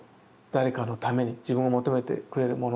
誰かのために自分を求めてくれる者のために。